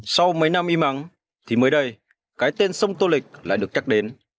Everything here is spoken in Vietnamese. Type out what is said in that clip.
sau mấy năm im ắng thì mới đây cái tên sông tô lịch lại được nhắc đến